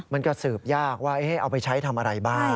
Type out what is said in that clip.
มันก็สืบยากว่าเอาไปใช้ทำอะไรบ้าง